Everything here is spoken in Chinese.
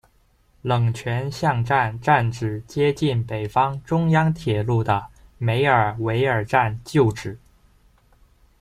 冷泉巷站站址接近北方中央铁路的梅尔维尔站旧址。